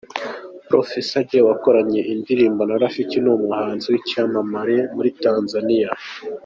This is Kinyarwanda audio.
Professor Jay wakoranye indirimbo na Rafiki ni umunzi w'icyamamare muri Tanzania.